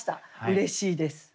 うれしいです。